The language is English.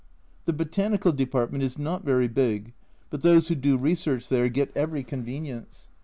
The botanical department is not very big, but those who do research there get every convenience.